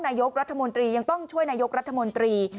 นายกรัฐมนตรียังต้องช่วยนายกรัฐมนตรี